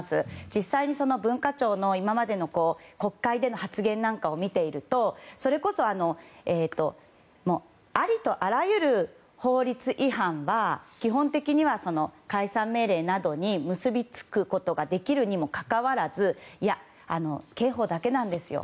実際に文化庁の今までの国会での発言なんかを見ているとそれこそありとあらゆる法律違反は基本的には解散命令などに結びつくことができるにもかかわらずいや、刑法だけなんですよ